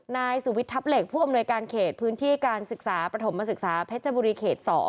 นายสุวิทยทัพเหล็กผู้อำนวยการเขตพื้นที่การศึกษาประถมศึกษาเพชรบุรีเขต๒